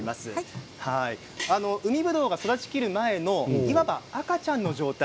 海ぶどうが育ちきる前のいわば赤ちゃんの状態